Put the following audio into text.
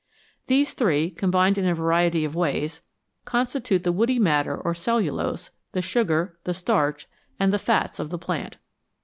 These three, combined in a variety of ways, constitute the woody matter or cellulose, the sugar, the starch, and the fats of the plant.